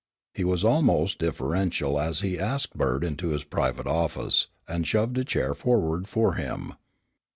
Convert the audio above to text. He was almost deferential as he asked Bert into his private office, and shoved a chair forward for him.